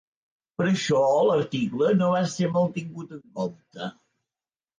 Per això, l'article no va ser molt tingut en compte.